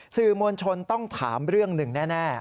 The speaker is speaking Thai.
สื่อมวลชนต้องถามเรื่องหนึ่งแน่